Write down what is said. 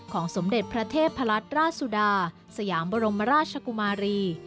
ของสมเด็จพระเทพพระรัชราชว์สุดาสยามบรมราชชาคมารี